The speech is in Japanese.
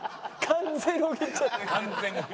完全に。